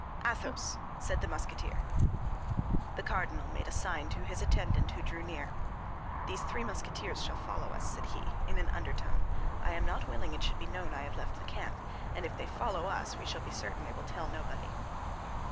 "Athos," said the Musketeer. The cardinal made a sign to his attendant, who drew near. "These three Musketeers shall follow us," said he, in an undertone. "I am not willing it should be known I have left the camp; and if they follow us we shall be certain they will tell nobody."